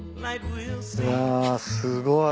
うわすごい。